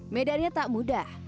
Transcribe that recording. medannya tak mudah